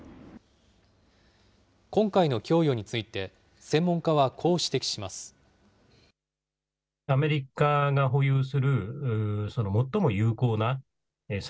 今回の供与について、専門家はこう指摘します。